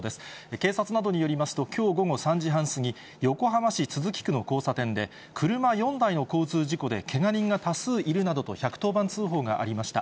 警察などによりますと、きょう午後３時半過ぎ、横浜市都筑区の交差点で、車４台の交通事故でけが人が多数いるなどと、１１０番通報がありました。